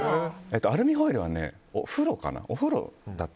アルミホイルはお風呂かな。